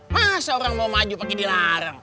masa orang mau maju pakai dilarang